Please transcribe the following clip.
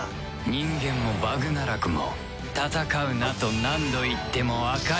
人間もバグナラクも戦うなと何度言ってもわかりゃあしない。